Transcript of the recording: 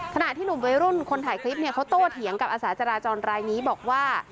ขณะที่หนุ่มวัยรุ่นคนถ่ายคลิปเนี่ยเขาโตเถียงกับอาสาจราจรรายนี้บอกว่า